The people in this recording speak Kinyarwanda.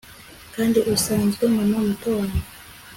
kandi usanzwe mama muto wanjye